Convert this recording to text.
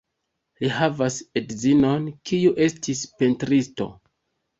Li havas edzinon, kiu estis pentristo.